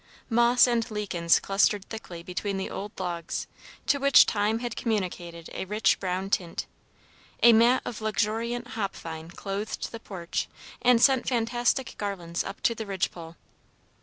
Moss and lichens clustered thickly between the old logs, to which time had communicated a rich brown tint; a mat of luxuriant hop vine clothed the porch, and sent fantastic garlands up to the ridgepole.